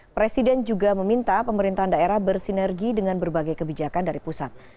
presiden juga meminta pemerintahan daerah bersinergi dengan berbagai kebijakan dari pusat